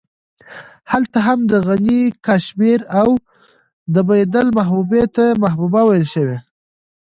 هلته هم د غني کاشمېري او د بېدل محبوبې ته محبوبه ويل شوې.